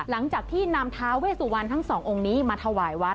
หลังจากที่นำท้าเวสุวรรณทั้งสององค์นี้มาถวายวัด